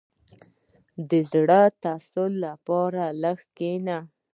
• د زړۀ د تسل لپاره لږ کښېنه.